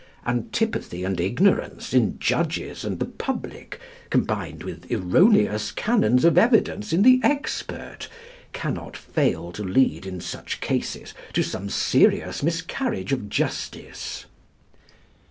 Antipathy and ignorance in judges and the public, combined with erroneous canons of evidence in the expert, cannot fail to lead in such cases to some serious miscarriage of justice.